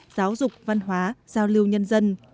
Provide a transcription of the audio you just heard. giáo dục văn hóa giao lưu nhân dân